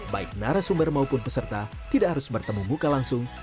baik narasumber maupun peserta tidak harus bertemu muka langsung